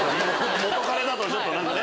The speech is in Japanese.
元カレだとちょっと何かね。